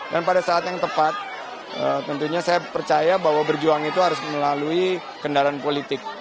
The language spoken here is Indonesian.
dan pada saat yang tepat tentunya saya percaya bahwa berjuang itu harus melalui kendaraan politik